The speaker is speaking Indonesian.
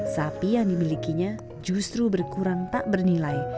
sapi yang dimilikinya justru berkurang tak bernilai